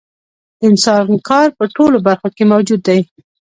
د انسان کار په ټولو برخو کې موجود دی